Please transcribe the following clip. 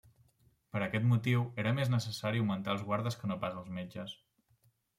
Per aquest motiu era més necessari augmentar els guardes que no pas els metges.